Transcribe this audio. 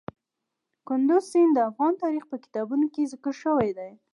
کندز سیند د افغان تاریخ په کتابونو کې ذکر شوی دی.